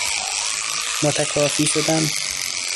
متکافی شدن